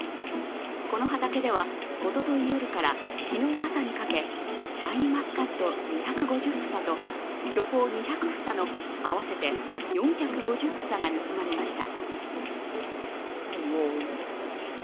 この畑ではおととい夜から昨日朝にかけ、シャインマスカット２５０房と巨峰２００房の合わせて４５０房が盗まれました。